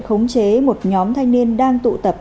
khống chế một nhóm thanh niên đang tụ tập